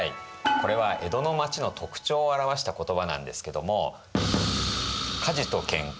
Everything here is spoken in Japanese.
これは江戸の町の特徴を表した言葉なんですけども。